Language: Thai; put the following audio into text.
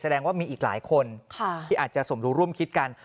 แสดงว่ามีอีกหลายคนที่อาจจะสมรู้ร่วมคิดกัน